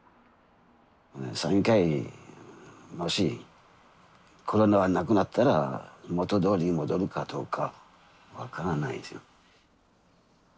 山友会もしコロナがなくなったら元どおりに戻るかどうか分からないですよ。